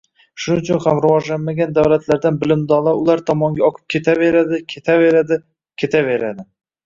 Shuning uchun ham rivojlanmagan davlatlardan bilimdonlar ular tomonga oqib ketaveradi, ketaveradi, ketaveradi.